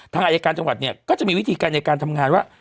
ทางอายการจังหวัดเนี่ยก็จะมีวิธีการในการทำงานว่า